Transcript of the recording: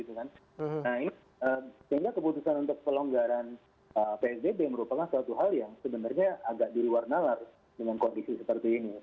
nah ini sehingga keputusan untuk pelonggaran psbb merupakan suatu hal yang sebenarnya agak diluar nalar dengan kondisi seperti ini